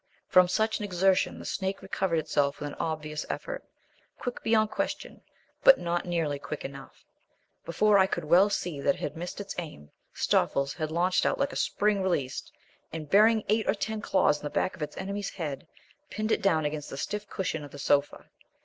From such an exertion the snake recovered itself with an obvious effort, quick beyond question, but not nearly quick enough. Before I could well see that it had missed its aim, Stoffles had launched out like a spring released, and, burying eight or ten claws in the back of its enemy's head, pinned it down against the stiff cushion of the sofa.